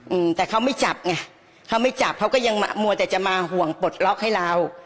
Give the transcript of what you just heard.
อืมแต่เขาไม่จับไงเขาไม่จับเขาก็ยังมัวแต่จะมาห่วงปลดล็อกให้เรา